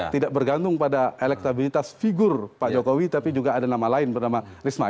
tidak bergantung pada elektabilitas figur pak jokowi tapi juga ada nama lain bernama risma